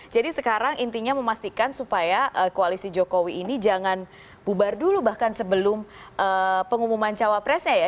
jadi sekarang intinya memastikan supaya koalisi jokowi ini jangan bubar dulu bahkan sebelum pengumuman cawapresnya ya